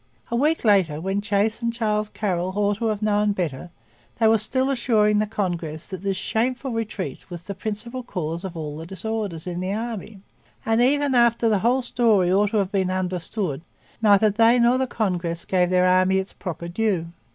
A week later, when Chase and Charles Carroll ought to have known better, they were still assuring the Congress that this 'shameful retreat' was 'the principal cause of all the disorders' in the army; and even after the whole story ought to have been understood neither they nor the Congress gave their army its proper due.